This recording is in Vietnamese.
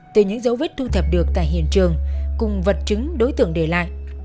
từ những dấu vết thu thập được tại hiện trường cùng vật chứng đối tượng để lại